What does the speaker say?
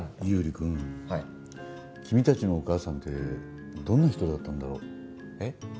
友利くんはい君達のお母さんってどんな人だったんだろうえっ？